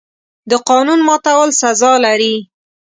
د قانون ماتول سزا لري.